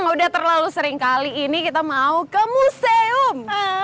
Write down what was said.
kalau udah terlalu sering kali ini kita mau ke museum